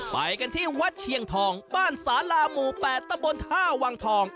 ไปกันที่วัดเชียงทองบ้านสาลาหมู่๘ตำบลท่าวังทอง